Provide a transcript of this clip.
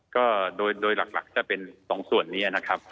ก็โดยหลักจะเป็น๒ส่วนนี้นะครับ